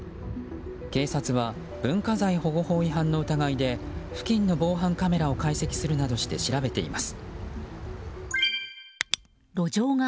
警察は文化財保護法違反の疑いで付近の防犯カメラを解析するなどして調べています。